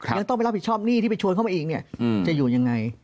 ยังต้องไปรับผิดชอบหนี้ที่ไปชวนเข้ามาเองเนี่ยจะอยู่ยังไง